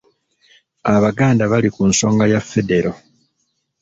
Abaganda bali ku nsonga ya Federo.